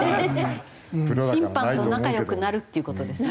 審判と仲良くなるっていう事ですね。